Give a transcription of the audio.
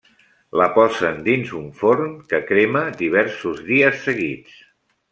La posen dins un forn, que crema diversos dies seguits.